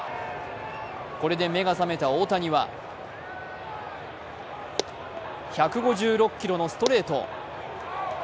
これで目が覚めた大谷は１５６キロのストレート。